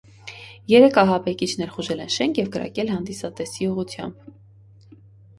Երեք ահաբեկիչ ներխուժել են շենք և կրակել հանդիսատեսի ուղղությամբ։